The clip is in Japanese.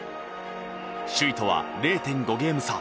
首位とは０．５ゲーム差。